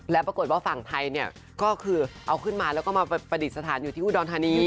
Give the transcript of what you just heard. แล้วปรากฏว่าฝั่งไทยเนี่ยก็คือเอาขึ้นมาแล้วก็มาประดิษฐานอยู่ที่อุดรธานี